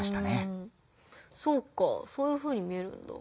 そうかそういうふうに見えるんだ。